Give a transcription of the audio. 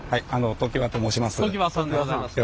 常盤と申します。